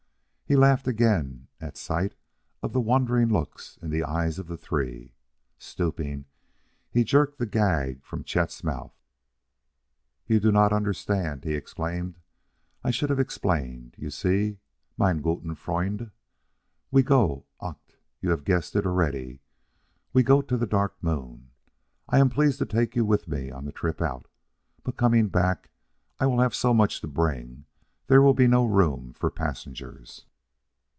He laughed again at sight of the wondering looks in the eyes of the three; stooping, he jerked the gag from Chet's mouth. "You do not understand," he exclaimed. "I should haff explained. You see, meine guten Freunde, we go ach! you have guessed it already! We go to the Dark Moon. I am pleased to take you with me on the trip out; but coming back, I will have so much to bring there will be no room for passengers.